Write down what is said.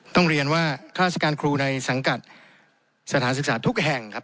ต้องเรียนว่าข้าราชการครูในสังกัดสถานศึกษาทุกแห่งครับ